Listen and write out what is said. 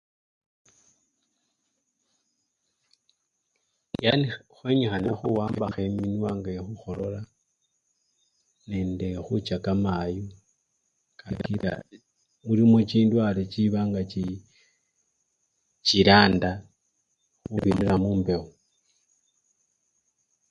Yani khwenyikhana khuwambakho emwinwa nga khekhukholola nende khucha kamayu kakila mulimo chindwale chiba nga chii! chilanda khubirira mumbewo.